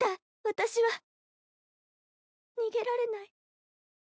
私は逃げられない。